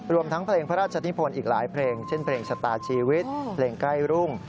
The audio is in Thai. ทั้งเพลงพระราชนิพลอีกหลายเพลงเช่นเพลงชะตาชีวิตเพลงใกล้รุ่ง